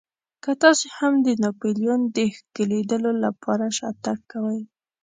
که تاسې هم د ناپلیون د ښکېلولو لپاره شاتګ کوئ.